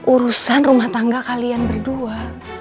urusan rumah tangga kalian berdua